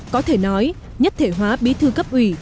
có thể nói nhất thể hóa bí thư cấp ủy